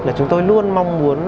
là chúng tôi luôn mong muốn